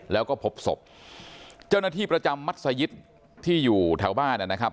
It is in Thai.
แล้วก็พบศพเจ้าหน้าที่ประจำมัศยิตที่อยู่แถวบ้านนะครับ